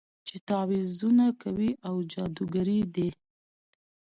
چې تعويذونه کوي او جادوګرې دي.